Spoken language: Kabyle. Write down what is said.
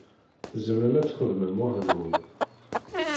Tzemrem ad txedmem weḥd-nwen?